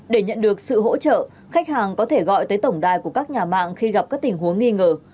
để nhận được sự hỗ trợ khách hàng có thể gọi tới tổng đài của các nhà mạng khi gặp các tình huống nghi ngờ